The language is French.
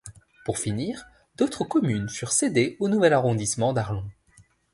Pour finir, d'autres communes furent cédées au nouvel arrondissement d'Arlon.